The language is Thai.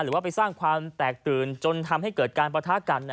หรือว่าไปสร้างความแตกตื่นจนทำให้เกิดการประทะกัน